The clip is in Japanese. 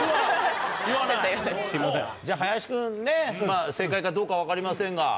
じゃあ林君正解かどうか分かりませんが。